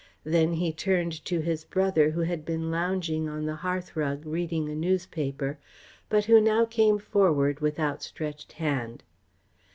Then he turned to his brother who had been lounging on the hearth rug, reading a newspaper, but who now came forward with outstretched hand.